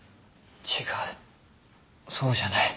違うそうじゃない。